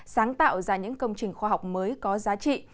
sáng tạo ra những công trình khoa học mới có giá trị